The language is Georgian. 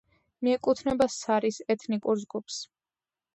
მიეკუთვნება სარის ეთნიკურ ჯგუფს.